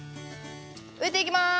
植えていきます。